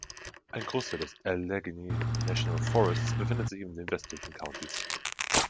Ein Großteil des Allegheny National Forests befindet sich in den westlichen Countys.